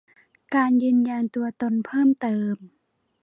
การยืนยันตัวตนเพิ่มเติม